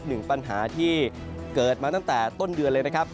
หนึ่งปัญหาที่เกิดมาตั้งแต่ต้นเดือนเลยนะครับ